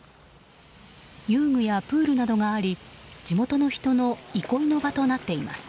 遊具やプールなどがあり地元の人の憩いの場となっています。